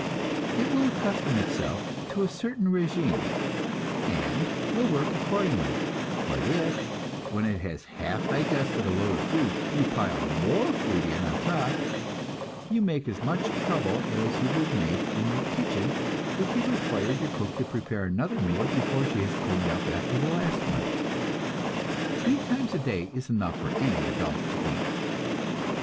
It will accustom itself to a certain régime, and will work accordingly, but if, when it has half digested a load of food, you pile more food in on top, you make as much trouble as you would make in your kitchen if you required your cook to prepare another meal before she has cleaned up after the last one. Three times a day is enough for any adult to eat.